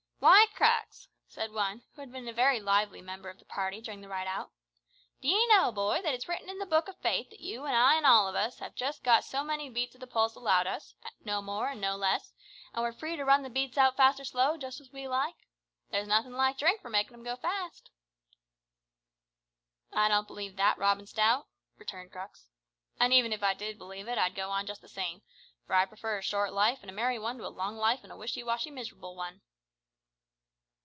"Why, Crux," said one who had been a very lively member of the party during the ride out, "d'ye know, boy, that it's writ in the book o' Fate that you an' I an' all of us, have just got so many beats o' the pulse allowed us no more an' no less an' we're free to run the beats out fast or slow, just as we like? There's nothin' like drink for makin' 'em go fast!" "I don't believe that, Robin Stout," returned Crux; "an' even if I did believe it I'd go on just the same, for I prefer a short life and a merry one to a long life an' a wishy washy miserable one."